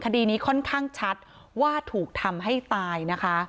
คดีนี้ค่อนข้างชัดว่าถูกทำให้ตายนะคะ